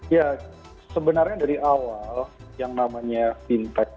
ya sebenarnya dari awal yang namanya fintech